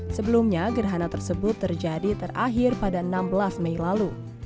sebelumnya gerhana tersebut terjadi terakhir pada enam belas mei lalu